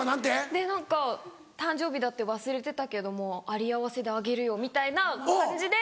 で何か「誕生日だって忘れてたけども有り合わせであげるよ」みたいな感じで。